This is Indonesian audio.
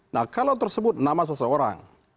nah kalau tersebut nama seseorang